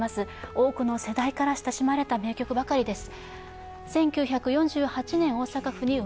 多くの世代から親しまれた名曲ばかりです。